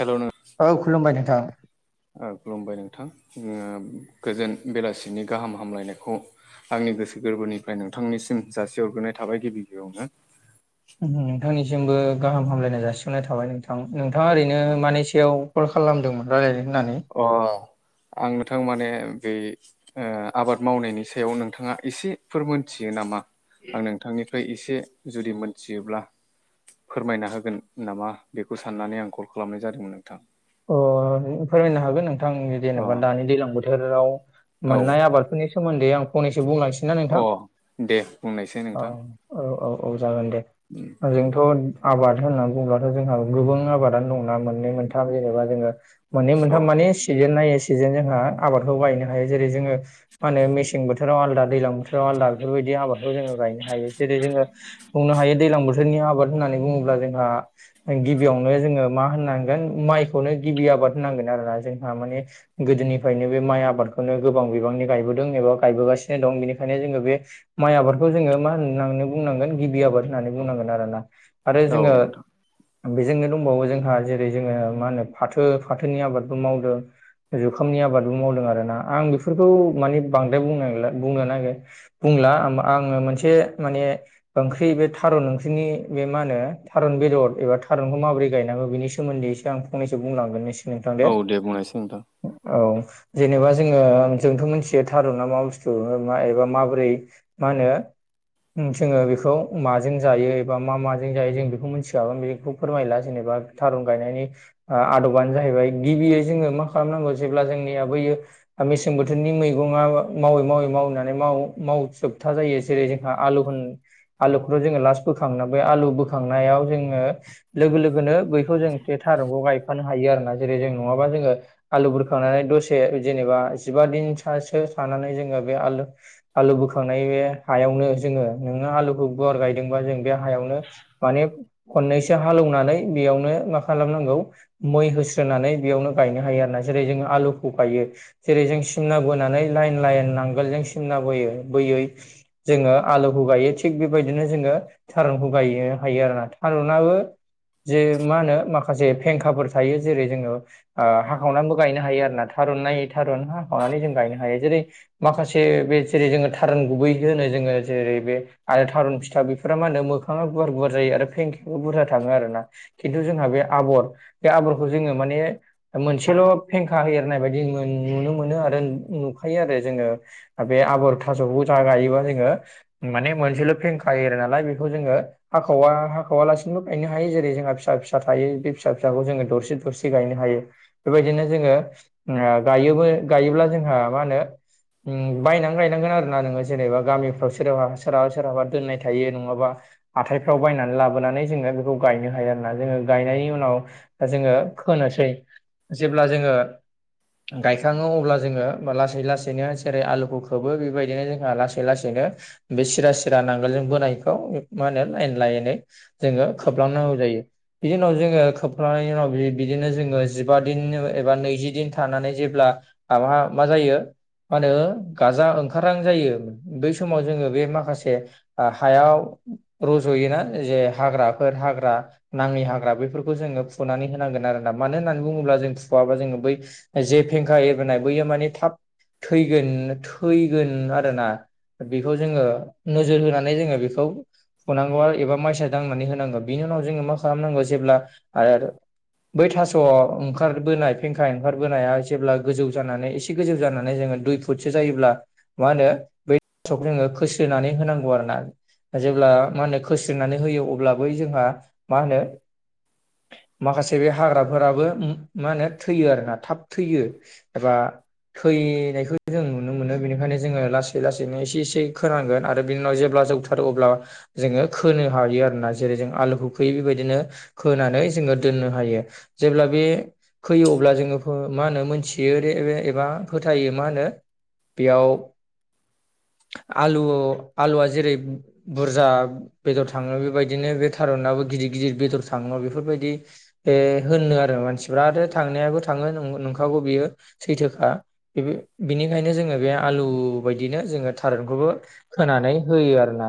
हेल'नों औ खुलुमबाय नोंथां। ओ खुलुमबाय नोंथां। ओङो गोजोन बेलासिनि गाहाम हामलायनायखौ आंनि गोसो गोरबोनिफ्राय नोंथांनिसिम जासि हरग्रोनाय थाबाय गिबि गिबियावनो। होम नोंथांनिसिमबो गाहाम हामलायनाय जासिहरनाय थाबाय नोंथां। नोंथाङा ओरैनो मानि सायाव कल खालामदोंमोन रायलायनो होननानै? अ आं नोंथां माने बै ओ आबाद मावनायनि सायाव नोंथाङा एसेफोर मोनथियो नामा? आं नोंथांनि फाय एसे जुदि मोनथियोब्ला फोरमायना होगोन नामा बेखौ साननानै आं कल खालामनाय जादोंमोन नोंथां। अ फोरमायनो हागोन नोंथां। अ जेन'बा दानि दैलां बोथोराव औ मोननाय आबादफोरनि सो सोमोन्दै आं फंनैसो बुंलांसै। ना अ नोंथां दे बुंनायसै औ नोंथां। औ औ औ जागोन दे। उम। जोंथ' आबाद होनना बुंब्लाथ' जोंहा गोबुं आबादानो दंना मोननै मोनथाम जेनेबा जोङो मोननै औ मोनथाम माने सिजेन नायै सिजेन जोंहा आबादखौ गायनो हायो। जेरै जोङो मा होनो मेसें बोथोराव आलदा दैलां बोथोराव आलदा बेफोरबायदि आबादखौ जोङो गायनो हायो। जेरै जोङो बुंनो हायो दैलां बोथोरनि आबाद होननानै बुङोब्ला जोंहा गिबियावनो जोङो मा होननांगोन माइखौनो गिबि आबाद होननांगोन आरोना जोंहा माने गोदोनिफायनो बे माइ आबादखौनो गोबां बिबांनि गायबोदों एबा गायबोगासिनो दं। बेनिखायनो जोङो बे माइ आबादखौ जोङो मा होननांनै बुंनांगोन गिबि आबाद होननानै बुंनांगोन आरोना। आरो औ जोङो नोंथां बेजोंनो दंबावो जोंहा जेरै जोङो मा होनो फाथो फाथोनि आबादबो मावदों। जुखामनि आबादबो मावदों आरोना। आं बेफोरखौ माने बांद्राय बुंनो नागेरला बुंनो नागेर बुंला आम आङो मोनसे माने ओंख्रि बे थारुन ओंख्रिनि बे मा होनो थारुन बेदर एबा थारुनखौ माबोरै गायनांगौ बेनि सो सोमोन्दैसो आं फंनैसो बुंलांगोन नोंसि नोंथां दे। औ बुंनायसै नोंथां औ। जेनेबा जोङो जोंथ' मिथियो थारुन ना मा बुस्थु मा एबा माबोरै मा होनो ओं जोङो बेखौ माजों जायो एबा मा माजों जायो जों बेखौ मिथिखागोन बेखौ फोरमायला जेनेबा थारुन गायनायनि ओ आदबानो जाहैबाय गिबियै जोङो मा खालामनांगौ जेब्ला जोंनिया बैयो मेसें बोथोरनि मैगंआ मावै मावै मावनानै माव मावजोबथा जायो। जेरै जोंहा आलु होन आलुखौथ' जोङो लास्ट बोखाङोना। बै आलु बोखांनायाव जोङो लोगो लोगोनो बै खौ जों बे थारुनखौ गायफानो हायो आरोना। जेरै जों नङाबा जोङो आलु बुरखांनानै दसे जेनेबा जिबा दिन सासो थानानै जोङो बे आलु आलु बोखांनाय बे हायावनो जोङो नोङो आलुखौ गुवार गायदोंबा जों बे हायावनो माने खननैसो हालौनानै बेयावनो मा खालामनांगौ मै होस्रोनानै बेयावनो गायनो हायो आरो ना जेरै जोंङो आलुखौ गायो। जेरै जों सिमना बोनानै लाइन लाइन नांगोल जों सिमना बोयो बोयै जोङो आलुखौ गायो। थिग बेबायदिनो जोङो थारुनखौ गायो हायो आरोना। थारुनाबो जे मा होनो माखासे फेंखाफोर थायो। जेरै जोङो ओ हाखावनानैबो गायनो हायो आरोना थारुन नायै थारुन हाखावनानै जों गायनो हायो। जेरै माखासे बे जेरै जोङो थारुन गुबै होनो जोङो जेरै बे आरो थारुन फिथा बेफोरा मा होनो मोखाङा गुवार गुवार जायो आरो फेंखायाबो बुरजा थाङो आरो ना। खिन्थु जोंहा बे आबर बे आबरखौ जोङो माने मोनसेल' फेंखा होेएरनाय बायदि मोन नुनो मोनो आरो नु-नुखायो आरो जोङो। ओ बे आबर थास'खौ जा गायोबा जोङो माने मोनसेल' फेंखा एरो नालाय बेखौ जोङो हाखावा हाखावालासिनोबो गायनो हायो जेरै जोंहा फिसा फिसा थायो बे फिसा फिसाखौ जोङो दरसे दरसे गायनो हायो। बेबायदिनो जोङो ओ गायोबो गायोब्ला जोंहा मा होनो उम बायनानै गायनांगोन आरोना नोङो जेनेबा गामिफ्राव सोरा सोराबा सोरहाबा दोननाय थायो नङाबा हाथायफ्राव बायनानै लाबोनानै जोङो बेखौ गायनो हायो आरोना जोङो गायनायनि उनाव जोङो खोनोसै जेब्ला जोङो गायखाङो अब्ला जोङो लासै लासैनो जेरै आलुखौ खोबो बेबायदिनो जोंहा लासै लासैनो बे सिरा सिरा नांगोलजों बोनायखौ उम मा होनो लाइन लाइनै जोङो खोबलांनांगौ जायो। बिनि उनाव जोङो खोबखांनायनि उनाव बि-बिदिनो जोङो जिबा दिन एबा नैजि दिन थानानै जेब्ला माबांङा मा जायो मा होनो गाजा ओंखारहां जायो बै समाव जोङो बे माखासे ओ हायाव रज'योना जे हाग्राफोर हाग्रा नाङै हाग्रा बेफोरखौ जोङो फुनानै होनांगोन आरोना मानो होननानै बुङोब्ला जों फुवाबा जोङो बै जे फेंखा एबोनाय बैयो माने थाब थैगोन थैगोन आरोना। बेखौ जोङो नोजोर होनानै जोङो बेखौ फुनांगौ आरो एबा माइसा दांनानै होनांगौ बिनि उनाव जोङो मा खालामनांगौ जेब्ला आरो बै थास' ओंखारबोनाय फेंखा ओंखारबोनाया जेब्ला गोजौ जानानै एसे गोजौ जानानै जोङो दुइ फुतसो जायोब्ला मा होनो बेखौ जोङो खोस्रोनानै होनांगौ आरोना। जेब्ला मा होनो खसिनानै होयो अब्ला बै जोंहा मा होनो माखासे बे हाग्राफोराबो उम मा होनो थैयो आरोना थाब थैयो। एबा थैनायखौ जों नुनो मोनो बेनिखायनो जोङो लासै लासैनो एसे एसे खोनांगोन आरो बिनि उनाव जेब्ला जौ थारो अब्ला जोङो खोनो हायो आरोना जेरै जों आलुखौ खोयो बेबायदिनो खोनानै जोङो दोननो हायो जेब्ला बे खोयो अब्ला जोङो फो मा होनो मोनथियोे ए-एबा फोथायो मा होनो बेयाव आलु आलुआ जेरै बुरजा बेदर थाङो बेबायदिनो बे थारुनाबो गिदिर गिदिर बेदर थाङो बेफोरबायदि बे होनो आरो मानसिफ्रा आरो थांनायाबो थाङो ओं नंखागौ बियो। सैथोखा बे बिनिखायनो जोङो बे आलु बायदिनो जोङो थारुनखौबो खोनानै होयो आरोना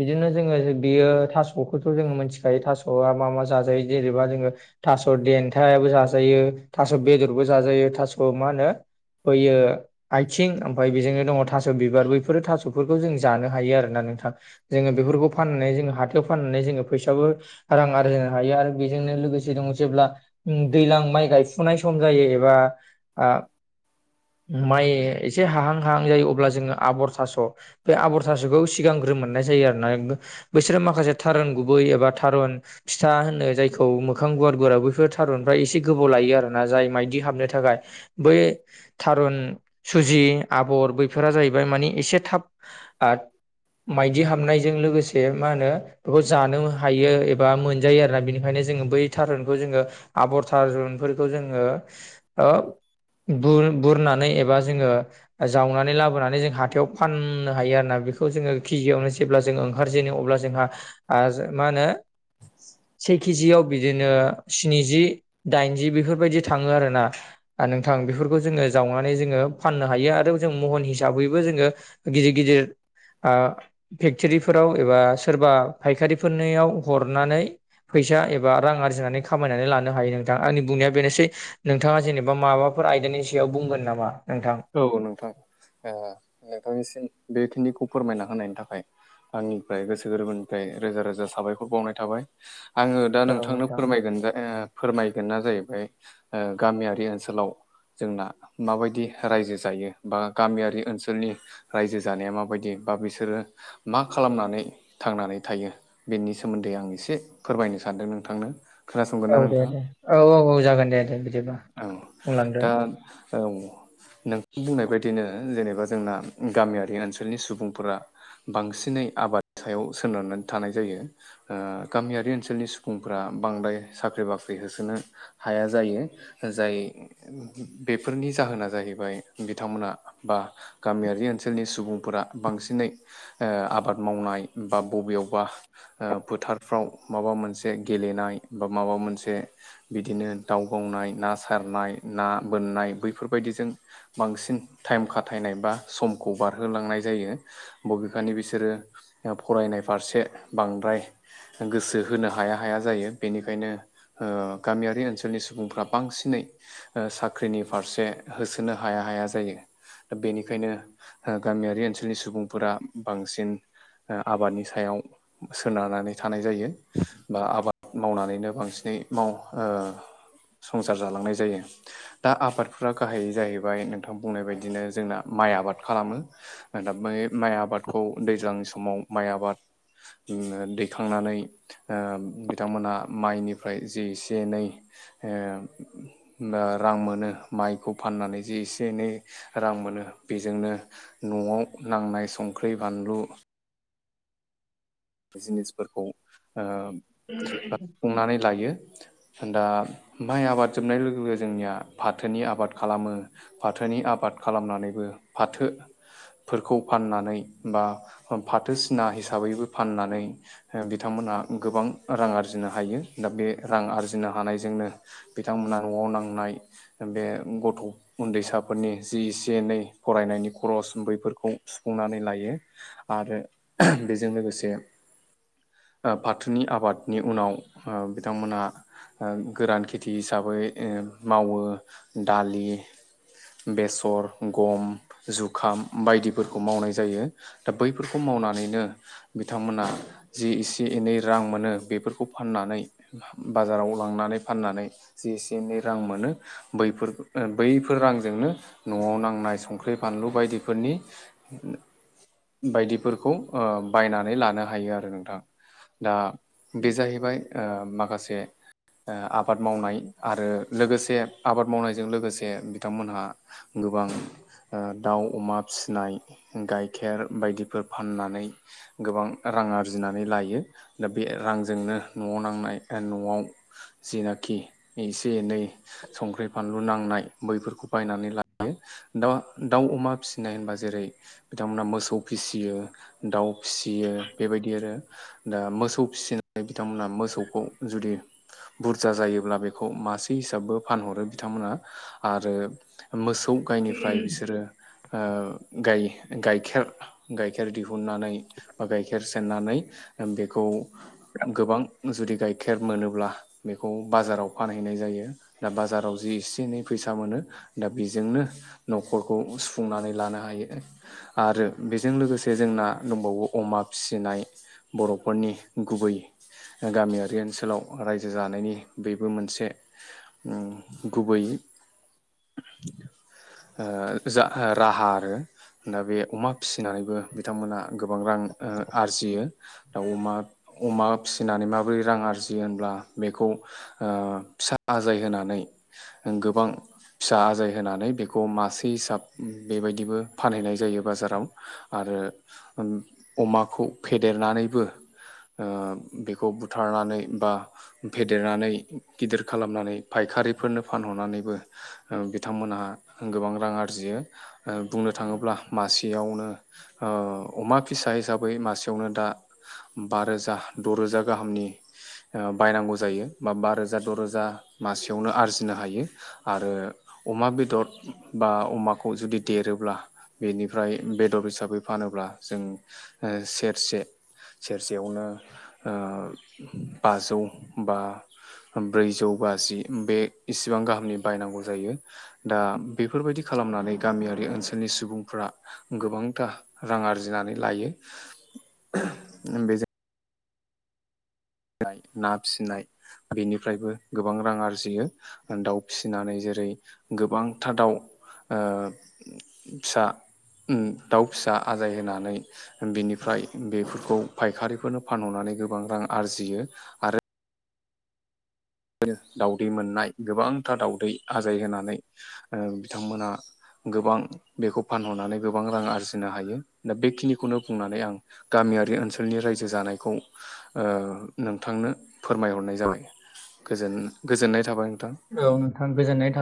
बिदिनो जोङो बेयो थास'खौथ' जोङो मोनथि दायो थास'आ मा मा जाजायो जेनेबा जोङो थास' देन्थायाबो जाजायो थास' बेदरबो जाजायो थास' मा होनो बैयो आथिं ओमफ्राय बेजोंनो दङ थास' बिबार बैफोरो थास'फोरखौ जों जानो हायो आरो ना नोंथां। जोङो बेफोरखौ फाननानै जोङो हाथायाव फाननानै जोङो फैसाबो रां आरजिनो हायो आरो बेजोंनो लोगोसे दङ जेब्ला उम दैज्लां माइ गायफुनाय सम जायो एबा ओ माइ एसे हाहां हाहां जायो अब्ला जोङो आबर थास' बे आबर थास'खौ सिगांग्रो मोननाय जायो आरोना एक बैसोरो माखासे थारुन गुबै एबा थारुन फिथा होनो जायखौ मोखां गुवार गुवार बैफोर थारुनफ्रा एसे गोबाव लायो आरो ना जाय माइदि हाबनो थाखाय। बै थारुन सुजि आबर बैफोरा जाहैबाय मानि एसे थाब आत माइदि हाबनायजों लोगोसे मा होनो बेखौ जानो हायो एबा मोनजायो आरोना बिनिखायनो जोङो बै थारुनखौ जोङो आबर थारुनफोरखौ जोङो बु- बुरनानै एबा जोङो जावनानै लाबोनानै जों हाथायाव फाननो हायो आरोना बेखौ जोङो केजियावनो जेब्ला जोङो ओंखारजेनो अब्ला जोंहा आं माहोनो से केजियाव बिदिनो स्निजि दाइनजि बेफोरबायदि थाङो आरोना आरै नोंथां बेफोरखौ जोङो जावनानै जोङो फाननो हायो आरो जों महन हिसाबैबो जोङो गिदिर गिदिर ओ फेक्टरिफोराव एबा सोरबा फायखारि फोरनियाव हरनानै फैसा एबा रां आरजिनानै खामायनानै लानो हायो नोंथां आंनि बुंनाया बेनोसै नोंथाङा जेनेबा माबाफोर आयदानि सायाव बुंगोन नामा नोंथां औ नोंथां ओ नोंथांनिसिम बेखिनिखौ फोरमायना होनायनि थाखाय आंनिफ्राय गोसो गोरबोनिफ्राय रोजा रोजा साबायखर बावनाय थाबाय आङो दा औ नोंथांनो नोंथां फोरमायगोन दा ओ फोरमायगोना जाहैबाय ओ गामियारि ओनसोलाव जोंना माबायदि रायजो जायो बा गामियारि ओनसोलनि रायजो जानाया माबायदि बा बिसोरो मा खालामनानै थांनानै थायो बेनि सोमोन्दै आं एसे फोरमायनो सानदों नोंथांनो खोनासंगोन औ ना दे नोंथां? दे औ औ औ जागोन दे दे बिदिबा औ बुंलांदो दा औ नोंथां बुंनाय बायदिनो जेनेबा जोंना गामियारि ओनसोलनि सुबुंफोरा बांसिनै आबाद सायाव सोनारनानै थानाय जायो ओ गामियारि ओनसोलनि सुबुंफोरा बांद्राय साख्रि बाख्रि होसोनो हाया जायो जाय बेफोरनि जाहोना जाहै बाय बिथांमोना बा गामियारि ओनसोलनि सुबुंफोरा बांसिनै आबाद मावनाय बा बबेयावबा फोथारफ्राव माबा मोनसे गेलेनाय बा माबा मोनसे बिदिनो दाउ गावनाय ना सारनाय ना बोननाय बैफोरबायदिजों बांसिन टाइम खाथायनाय बा समखौ बारहोलांनाय जायो बबेखानि बिसोरो फरायनाय फारसे बांद्राय गोसो होनो हाया हाया जायो बेनिखायनो गामियारि ओनसोलनि सुबुंफ्रा बांसिनै साख्रिनि फारसे होसो नो हाया हाया जायो दा बेनिखायनो गामियारि ओनसोलनि सुबुंफोरा बांसिन ओ आबादनि सायाव सोनारनानै थानाय जायो बा आबाद मावनानैनो बांसिनै माव ओ संसार जालांनाय जायो दा आबादफोरा गाहायै जाहैबाय नोंथां बुंनाय बायदिनो जोंना माइ आबाद खालामो दा ब माइ आबादखौ दैज्लांनि समाव माइ आबाद दैखांनानै बिथांमोनहा माइनिफ्राय जि एसे एनै ओ ओरां मोनो माइखौ फाननानै जि एसे एनै रां मोनो बेजोंनो न'आव नांनाय संख्रि बानलु जिनिसफोरखौ ओ सुफुंनानै लायो दा माइ आबाद जोबनाय लोगो लोगो जोंनिया फाथोनि आबाद खालामो फाथोनि आबाद खालामनानैबो फाथो फोरखौ फाननानै बा फाथोसिना हिसाबैबो फाननानै बिथांमोनहा गोबां रां आरजिनो हायो दा बे रां आरजिनो हानायजोंनो बिथांमोना न'आव नांनाय बे गथ' उन्दैसाफोरनि जि एसे एनै फरायनायनि खरस बैफोरखौ सुफुंनानै लायो आरो बेजों लोगोसे फाथौनि आबादनि उनाव बिथांमोनहा ओ गोरान खेथि हिसाबै ओ मावो दालि बेसर गम जुखाम बायदिफोरखौ मावनाय जायो दा बैफोरखौ मावनानैनो बिथांमोना जि एसे एनै रां मोनो बेफोरखौ फाननानै बाजाराव लांनानै फाननानै जि एसे एनै रां मोनो बैफोर बैफोर रांजोंनो न'आव नांनाय संख्रि फानलु बायदिफोरनि बायदिफोरखौ ओ बायनानै लानो हायो आरो नोंथां दा बे जाहैबाय माखासे ओ आबाद मावनाय आरो लोगोसे आबाद मावनायजों लोगोसे बिथांमोनहा गोबां दाउ अमा फिसिनाय गाइखेर बायदिफोर फाननानै गोबां रां आरजिनानै लायो दा बे रांजोंनो न'आव नांनाय न'आव जिनाखि एसे एनै संख्रि बानलु नांनाय बैफोरखौ बायनानै लायो। दाउ दाउ अमा फिसिनाय होनबा जेरै बिथांमोनहा मोसौ फिसियो दाउ फिसियो बेबायदि आरो दा मोसौ फिसिनानै बिथांमोनहा मोसौखौ जुदि बुरजा जायोब्ला बेखौ मासे हिसाबबो फानहरो बिथांमोना। आरो मोसौ गायनिफ्राय बिसोरो गाइखेर गाइखेर दिुननानै बा गाइखेर सेरनानै बेखौ गोबां जुदि गाइखेर मोनोब्ला बेखौ बाजाराव फानहैनाय जायो दा बाजाराव जि एसे एनै फैसा मोनो दा बेजोंनो नखरखौ सुफुंनानै लानो हायो आरो बेजों लोगोसे दे जोंना दंबावो अमा फिसिनाय बरफोरनि गुबै गामियारि ओनसोलाव रायजो जानायनि बेबो मोनसे अम गुबैयै ओ जा ओ राहा आरो दा बे अमा फिसिनानैबो बिथांमोना गोबां रां ओ आरजियो दाउ अमा अमा फिसिनानै माबोरै रां आरजियो होनब्ला बेखौ ओ फिसा आजाय होनानै गोबां फिसा आजाय होनानै बेखौ मासे हिसाब बेबायदिबो फानहैनाय जायो बाजाराव आरो ओम अमाखौ फेदेरनानैबो ओ बेखौ बुथारनानै बा फेदेरनानै गिदिर खालामनानै फायखारिफोरनो फानहरनानैबो ओ‌ बिथांमोनहा गोबां रां आरजियो। ओ बुंनो थाङोब्ला मासेयावनो ओ अमा फिसा हिसाबै मासेयावनो दा बा रोजा दरोजा गाहामनि ओ बायनांगौ जायो बा बारोजा द रोजा मासेयावनो आरजिनो हायो। आरो अमा बेदर बा अमाखौ जुदि देरोब्ला बेनिफ्राय बेदर हिसाबै फानोब्ला जों ओ सेरसे सेरसेयावनो ओ बाजौ बा ब्रैजौ बाजि बे इसिबां गाहामनि बायनांगौ जायो। दा बेफोरबायदि खालामनानै गामियारि ओनसोलनि सुबुंफोरा गोबांथा रां आरजिनानै लायो बेजों फिनाय ना फिसिनाय बेनिफ्रायबो गोबां रां आरजियो। दाउ फिसिनानै जेरै गोबांथार दाउ ओ फिसा अम दाउ फिसा आजाय होनानै बिनिफ्राय बेफोरखौ फायखारिफोरनो फानहरनानै गोबां रां आरजियो आरो दावदै मोननाय गोबांथार दावदै आजाय होनानै ओ बिथांमोनहा गोबां बेखौ फानहरनानै गोबां रां आरजिनो हायो दा बेखिनिखौनो बुंनानै आं गामियारि ओनसोलनि रायजो जानायखौ ओ नोंथांनो फोरमायहरनाय जाबाय। गोजोन गोजोननाय थाबाय नोंथां। औ नोंथां गोजोननाय था